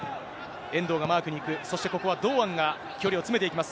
遠藤がマークに行く、そしてここは堂安が距離を詰めていきます。